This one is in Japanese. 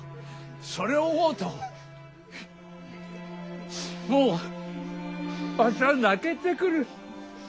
それを思うともうわしは泣けてくる。